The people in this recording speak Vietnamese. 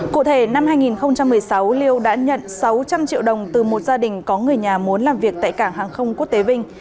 cụ thể năm hai nghìn một mươi sáu liêu đã nhận sáu trăm linh triệu đồng từ một gia đình có người nhà muốn làm việc tại cảng hàng không quốc tế vinh